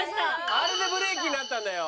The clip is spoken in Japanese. あれでブレーキになったんだよ。